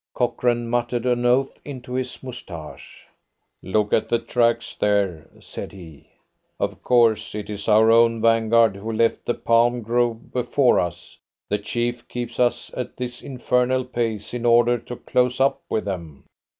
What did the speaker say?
Cochrane muttered an oath into his moustache. "Look at the tracks there," said he; "of course, it's our own vanguard who left the palm grove before us. The chief keeps us at this infernal pace in order to close up with them."